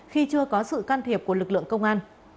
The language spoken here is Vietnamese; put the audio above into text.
khi chưa có sự can thiệp của lực lượng công an